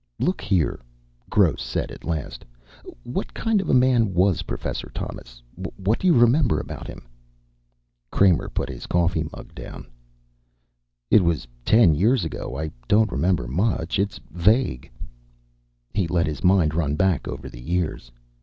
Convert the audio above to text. "Look here," Gross said at last. "What kind of man was Professor Thomas? What do you remember about him?" Kramer put his coffee mug down. "It was ten years ago. I don't remember much. It's vague." He let his mind run back over the years.